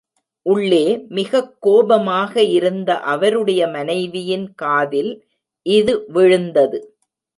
உள்ளே மிகக் கோபமாக இருந்த அவருடைய மனைவியின் காதில் இது விழுந்தது.